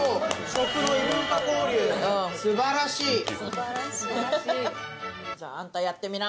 すばらしい。